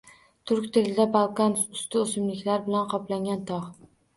Turk tilida balkan – usti o‘simlik bilan qoplangan tog‘.